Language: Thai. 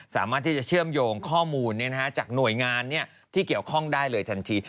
สามารถที่จะเชื่อมโยงข้อมูลจากหน่วยงานที่เกี่ยวข้องได้เลยทันที